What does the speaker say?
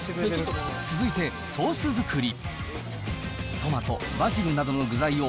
続いてソース作り。